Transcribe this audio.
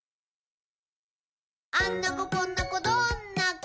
「あんな子こんな子どんな子？